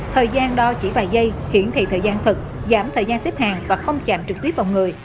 thời gian đo chỉ vài giây hiển thị thời gian thực giảm thời gian xếp hàng và không chạm trực tiếp vào người